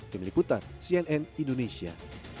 tim liputan cnn indonesia